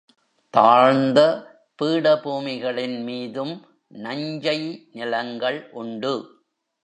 தாழ்ந்த பீடபூமிகளின் மீதும் நஞ்சை நிலங்கள் உண்டு.